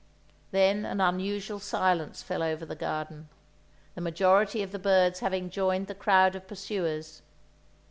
Then an unusual silence fell over the garden; the majority of the birds having joined the crowd of pursuers.